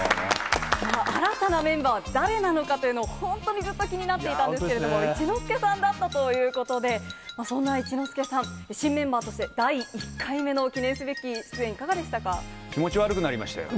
新たなメンバー、誰なのかというのを、本当にずっと気になっていたんですけれども、一之輔さんだったということで、そんな一之輔さん、新メンバーとして第１回目の記念すべき気持ち悪くなりましたよ。